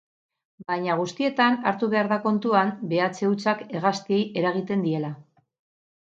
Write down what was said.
Baina guztietan hartu behar da kontuan behatze hutsak hegaztiei eragiten diela.